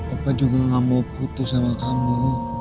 apa juga gak mau putus sama kamu